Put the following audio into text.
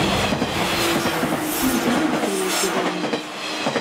Mazal adfel deg udrar.